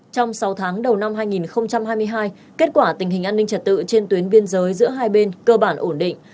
trong sáu tháng đầu năm hai nghìn hai mươi hai kết quả tình hình an ninh trật tự trên tuyến biên giới giữa hai bên cơ bản ổn định